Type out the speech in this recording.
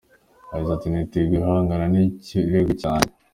Yagize ati "Niteguye guhangana n’ikirego cyanjye.